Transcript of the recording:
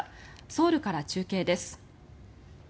ソウルから中継です。